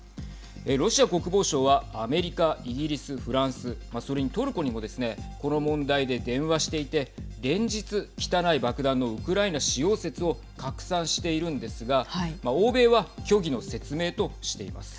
ロシア国防省はアメリカ、イギリス、フランスそれに、トルコにもですねこの問題で電話していて連日、汚い爆弾のウクライナ使用説を拡散しているんですが欧米は虚偽の説明としています。